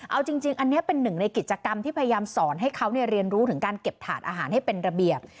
เอาจริงอันนี้เป็นหนึ่งในกิจกรรมที่พยายามสอนให้เขาเรียนรู้ถึงการเก็บถาดอาหารให้เป็นระเบียบ